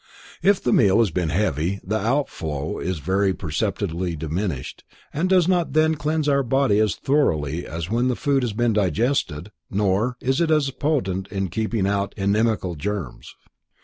If the meal has been heavy, the outflow is very perceptibly diminished, and does not then cleanse our body as thoroughly as when the food has been digested, nor is it as potent in keeping out inimical germs.